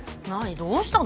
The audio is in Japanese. どうしたの？